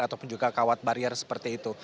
ataupun juga kawat barier seperti itu